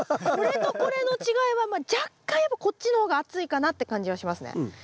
これとこれの違いはまあ若干やっぱこっちの方が厚いかなって感じはしますね。